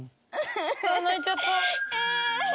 あ泣いちゃった。